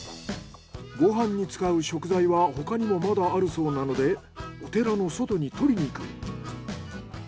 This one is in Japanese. ご飯に使う食材は他にもまだあるそうなのでお寺の外に採りに行く。